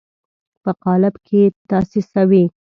په قالب کې یې تاسیسوي.